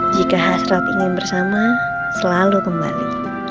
jika hasrat ingin bersama selalu kembali